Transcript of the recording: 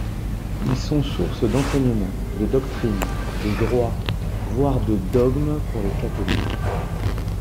Ils sont sources d'enseignement, de doctrine, de droit, voire de dogme pour les catholiques.